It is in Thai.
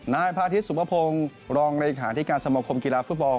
นายพาธิสุพพงศ์รองรายคาที่การสมคมกีฬาฟุตบอล